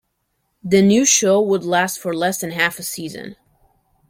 The new show would last for less than half a season.